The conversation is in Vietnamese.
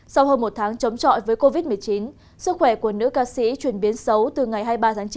sau hơn một tháng chống trọi với covid một mươi chín sức khỏe của nữ ca sĩ chuyển biến xấu từ ngày hai mươi ba tháng chín